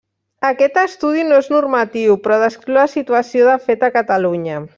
Aquest estudi no és normatiu, però descriu la situació de fet a Catalunya.